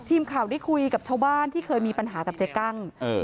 ทีมข่าวได้คุยกับชาวบ้านที่เคยมีปัญหากับเจ๊กั้ง